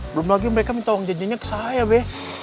belum lagi mereka minta uang janjinya ke saya be